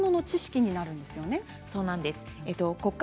そうなんです骨格